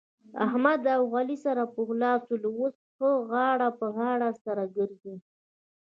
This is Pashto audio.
احمد اوعلي سره پخلا سول. اوس ښه غاړه په غاړه سره ګرځي.